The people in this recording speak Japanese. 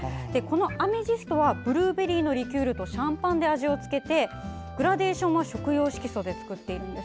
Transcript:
アメジストはブルーベリーのリキュールとシャンパンで味をつけてグラデーションは食用色素で作っているんです。